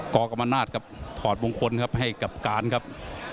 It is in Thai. กรรมนาศครับถอดมงคลครับให้กับการครับ